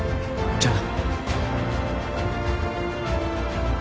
じゃあな